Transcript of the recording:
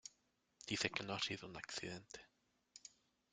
Dice que no ha sido un accidente.